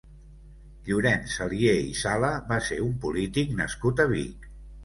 Llorenç Alier i Sala va ser un polític nascut a Vic.